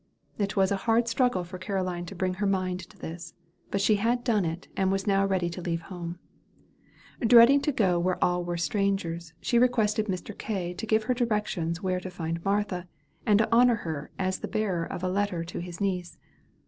It was a hard struggle for Caroline to bring her mind to this; but she had done it, and was now ready to leave home. Dreading to go where all were strangers, she requested Mr. K. to give her directions where to find Martha, and to honor her as the bearer of a letter to his niece.